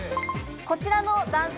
こちらの男性